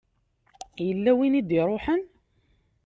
Yella win i d-iṛuḥen?